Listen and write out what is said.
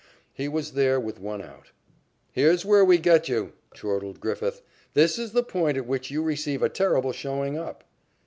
He was there with one out. "Here's where we get you," chortled Griffith. "This is the point at which you receive a terrible showing up."